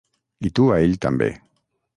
I tu a ell també.